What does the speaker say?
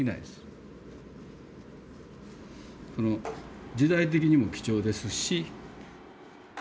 この時代的にも貴重ですし。